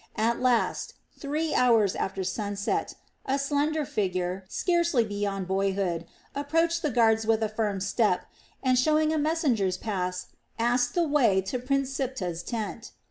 At last, three hours after sunset, a slender figure, scarcely beyond boyhood, approached the guards with a firm step and, showing a messenger's pass, asked the way to Prince Siptah's tent.